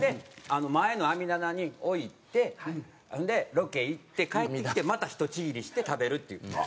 前の網棚に置いてでロケ行って帰ってきてまたひとちぎりして食べるっていう。